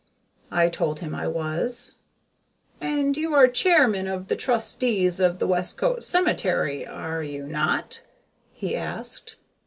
I told him I was. "And you are chairman of the trustees of the Westcote Cemetery, are you not?" he asked.